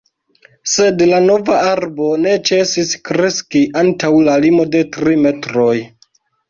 Sed la nova arbo ne ĉesis kreski antaŭ la limo de tri metroj.